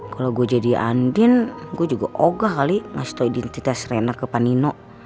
kalo gue jadi andin gue juga ogah kali ngasih tau identitas rena ke mas nino